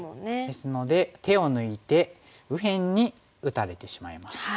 ですので手を抜いて右辺に打たれてしまいます。